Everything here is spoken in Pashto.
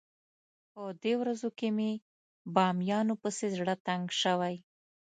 په دې ورځو کې مې بامیانو پسې زړه تنګ شوی.